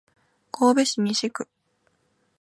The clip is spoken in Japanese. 神戸市西区